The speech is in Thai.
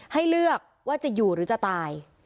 ให้เลือกว่าจะอยู่หรือจะตาย